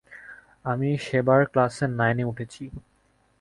আমি সেবার ক্লাস নাইনে উঠেছি।